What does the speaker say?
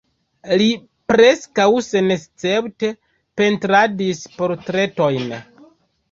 Li preskaŭ senescepte pentradis portretojn.